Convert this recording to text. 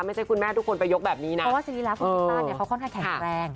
ไม่ใช่คุณแม่ทุกคนไปยกแบบนี้นะเพราะว่าสรีระคุณพิซซ่าเนี่ยเขาค่อนข้างแข็งแรง